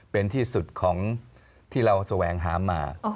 เป็นที่สุดของที่เราแสวงหามา